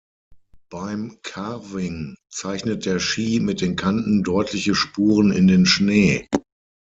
Beim Carving zeichnet der Ski mit den Kanten deutliche Spuren in den Schnee.